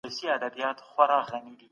که واک نه وي امرمنونکي هم نسته.